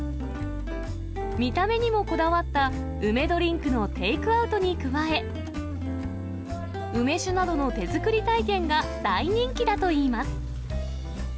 見た目にもこだわった梅ドリンクのテイクアウトに加え、梅酒などの手作り体験が大人気だといいます。